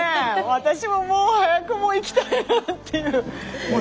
私ももう早くもう行きたいなっていう。